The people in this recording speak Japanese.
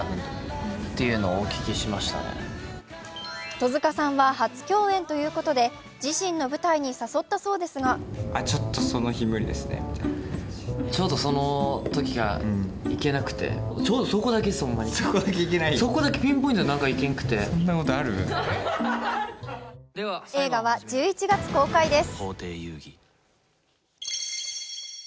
戸塚さんは初共演ということで、自身の舞台に誘ったそうですが映画は１１月公開です。